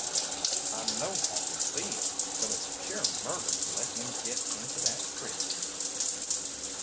"I know how you feel, but it's pure murder to let him git into that crick."